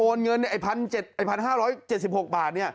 โอนเงินไอ้๑๕๗๖บาท